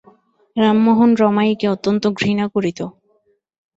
রামমোহন রমাইকে অত্যন্ত ঘৃণা করিত।